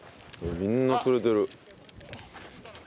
みんな釣れてる。